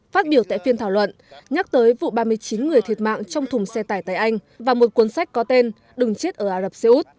phát biểu tại phiên thảo luận nhắc tới vụ ba mươi chín người thiệt mạng trong thùng xe tải tại anh và một cuốn sách có tên đừng chết ở ả rập xê út